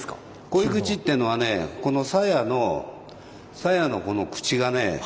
鯉口っていうのはねこの鞘の鞘のこの口がね